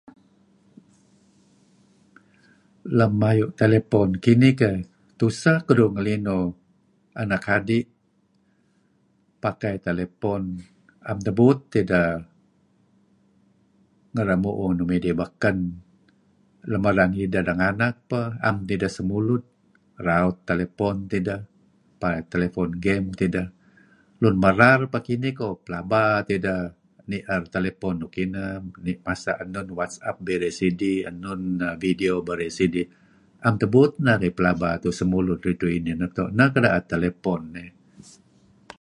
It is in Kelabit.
Lem ayu' telepnone kinih keh, tuseh kedih ngenlinuh anak adi' pakai telephone 'am tebuut tideh ngeremuuh nuk baken. Lem erang ideh denganak pah 'am teh ideh semulud. Raut telephone tideh, raut telephone games tideh. Anak adi' peh pelaba pakai telephone. Lun merar peh peh kini koh pelaba tideh nier telephone nuk kineh. Masa' Whattsaps birey sidih, enun video nuk barey sidih. Naem tebuut teh narih pelaba semulud kinih.